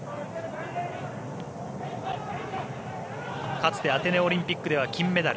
かつて、アテネオリンピックでは金メダル。